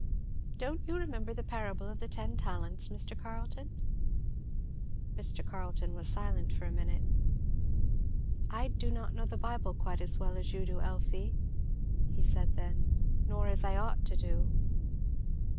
Don't you remember the parable of the ten talents, Mr. Carleton?" Mr. Carleton was silent for a minute. "I do not know the Bible quite as well as you do, Elfie," he said then, "nor as I ought to do."